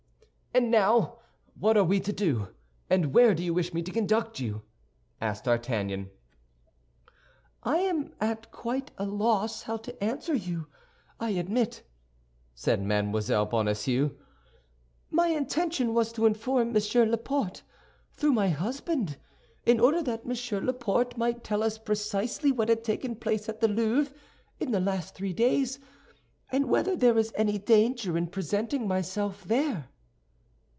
"And now what are we to do, and where do you wish me to conduct you?" asked D'Artagnan. "I am at quite a loss how to answer you, I admit," said Mme. Bonacieux. "My intention was to inform Monsieur Laporte, through my husband, in order that Monsieur Laporte might tell us precisely what had taken place at the Louvre in the last three days, and whether there is any danger in presenting myself there."